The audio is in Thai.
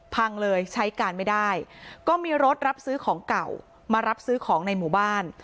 พังเลยใช้การไม่ได้ก็มีรถรับซื้อของเก่ามารับซื้อของในหมู่บ้าน